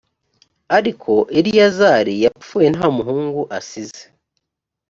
ariko eleyazari yapfuye nta muhungu asize